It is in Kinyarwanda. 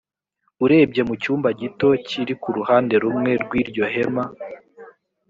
urebye mu cyumba gito kiri ku ruhande rumwe rw iryo hema